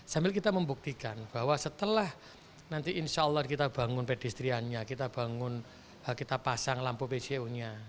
sambil kita membuktikan bahwa setelah nanti insya allah kita bangun pedestriannya kita bangun kita pasang lampu pcu nya